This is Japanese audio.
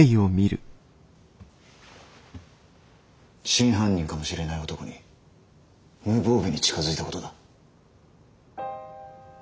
真犯人かもしれない男に無防備に近づいたことだ。